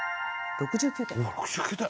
６９点！